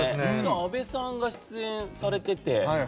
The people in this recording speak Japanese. あべさんが出演されてて。